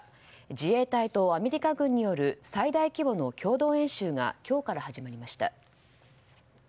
自衛隊とアメリカ軍による最大規模の共同演習が今日から始まりました。